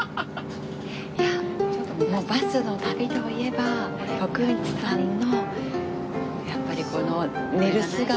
『バスの旅』といえば徳光さんのやっぱりこの寝る姿。